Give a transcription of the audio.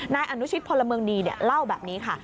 นายอนุชิตพลเมืองดีเล่าแบบนี้ค่ะ